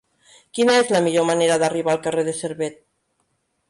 Quina és la millor manera d'arribar al carrer de Servet?